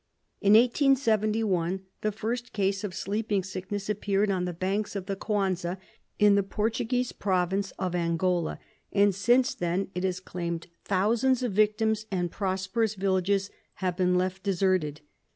In 1871 the first case of sleeping sickness appeared on the banks of the Quanza, in the Portuguese province of Angola, and since then it has claimed thousands of victims and prosperous villages have been left deserted.